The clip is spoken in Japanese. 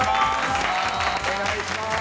お願いします！